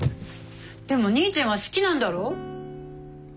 でも兄ちゃんは好きなんだろ？